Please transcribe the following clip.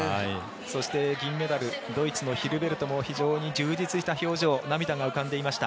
そして、銀メダルドイツのヒルベルトも非常に充実した表情涙が浮かんでいました。